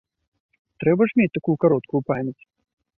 Трэба ж мець такую кароткую памяць!